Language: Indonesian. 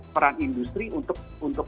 peran industri untuk